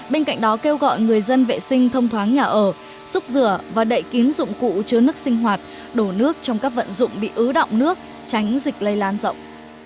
bên cạnh đó kêu gọi người dân vệ sinh thông thoáng nhà ở xúc rửa và đậy kín dụng cụ chứa nước sinh hoạt đổ nước trong các vận dụng bị ứ động nước tránh dịch lây lan rộng